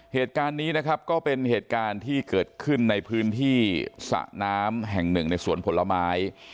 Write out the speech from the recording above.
เหตุการณ์นี้นะครับก็เป็นเหตุการณ์ที่เกิดขึ้นในพื้นที่สระน้ำแห่งหนึ่งในสวนผลไม้